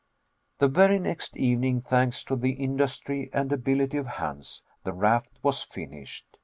The very next evening, thanks to the industry and ability of Hans, the raft was finished.